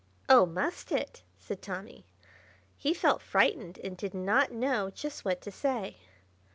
"Oh, must it?" said Tommy. He felt frightened, and did not know just what to say.